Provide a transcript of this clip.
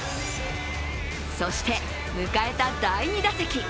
そして迎えた第２打席。